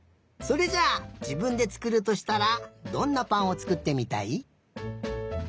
それじゃあじぶんでつくるとしたらどんなぱんをつくってみたい？